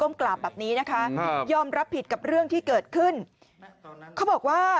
โรดเจ้าเจ้าเจ้าเจ้าเจ้าเจ้าเจ้าเจ้าเจ้าเจ้าเจ้าเจ้าเจ้าเจ้าเจ้าเจ้าเจ้า